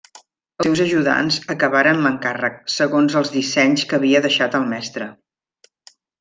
Els seus ajudants acabaren l'encàrrec, segons els dissenys que havia deixat el mestre.